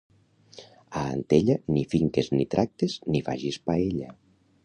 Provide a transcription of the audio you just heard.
A Antella, ni finques, ni tractes, ni hi facis paella.